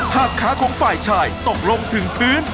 หากขาของฝ่ายชายตกลงถึงพื้น